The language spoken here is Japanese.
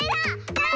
はい！